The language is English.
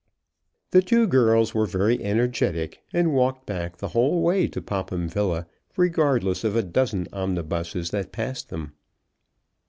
The two girls were very energetic, and walked back the whole way to Popham Villa, regardless of a dozen omnibuses that passed them.